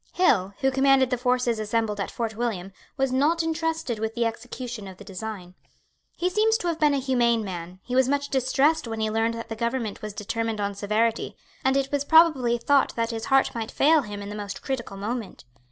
Hill, who commanded the forces assembled at Fort William, was not entrusted with the execution of the design. He seems to have been a humane man; he was much distressed when he learned that the government was determined on severity; and it was probably thought that his heart might fail him in the most critical moment.